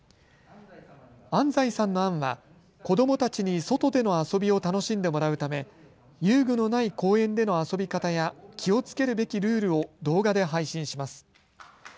安齋さんの案は子どもたちに外での遊びを楽しんでもらうため遊具のない公園での遊び方や気をつけるべきルールを動画で配信します。